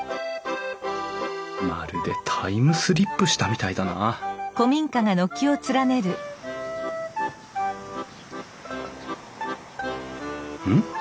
まるでタイムスリップしたみたいだなうん？